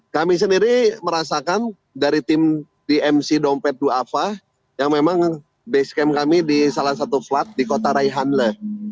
kami sendiri merasakan dari tim dmc dompet dua afa yang memang base camp kami di salah satu flat di kota raihanle